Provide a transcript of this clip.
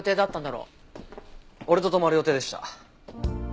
俺と泊まる予定でした。